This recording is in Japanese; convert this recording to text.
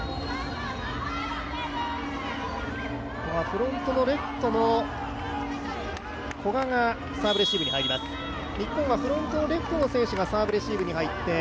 フロントのレフトの古賀がサーブレシーブに入ります。